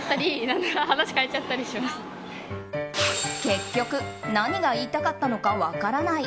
結局、何が言いたかったのか分からない。